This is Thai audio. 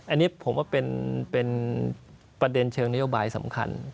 อันนี้ผมว่าเป็นประเด็นเชิงนโยบายสำคัญ